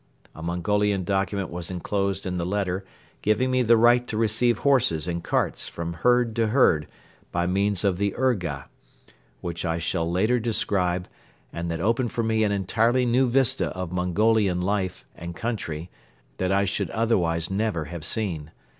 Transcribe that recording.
A Mongolian document was enclosed in the letter giving me the right to receive horses and carts from herd to herd by means of the "urga," which I shall later describe and which opened for me an entirely new vista of Mongolian life and country that I should otherwise never have seen.